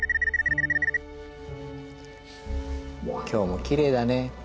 今日もきれいだね。